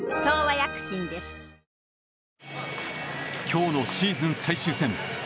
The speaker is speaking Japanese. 今日のシーズン最終戦。